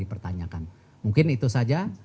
dipertanyakan mungkin itu saja